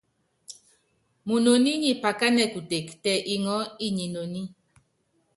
Munoní nyi pakánɛ kutek, tɛ iŋɔɔ́ inyi inoní.